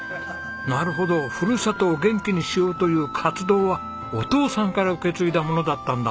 なるほどふるさとを元気にしようという活動はお父さんから受け継いだものだったんだ。